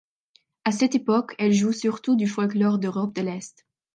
À cette époque, elle joue surtout du folklore d'Europe de l'Est.